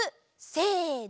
せの！